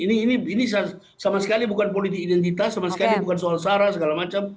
ini sama sekali bukan politik identitas sama sekali bukan soal sara segala macam